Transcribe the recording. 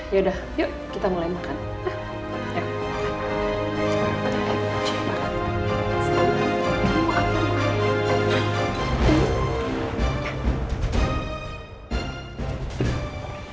ya udah yuk kita mulai makan